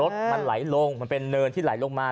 รถมันไหลลงมันเป็นเนินที่ไหลลงมา